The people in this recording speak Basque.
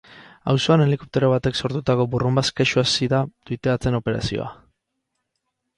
Auzoan helikoptero batek sortutako burrunbaz kexu hasi da twitteatzen operazioa.